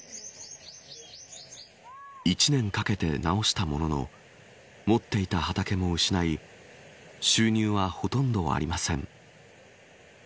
１年かけて直したものの持っていた畑も失い収入はほとんどありません。